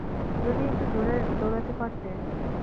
যদি একটু জোরে দৌড়াতে পারতে!